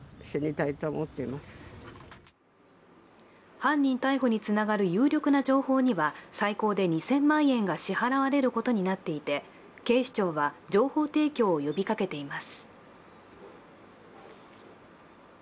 犯人逮捕につながる有力な情報には最高で２０００万円が支払われることになっていて、警視庁は情報提供を呼びかけています。